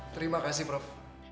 terima kasih prof